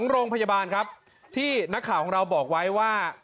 โรงพยาบาลครับที่นักข่าวของเราบอกไว้ว่า